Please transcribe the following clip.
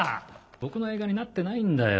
僕の映画になってないんだよ。